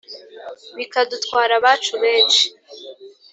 Bikadutwara abacu benshi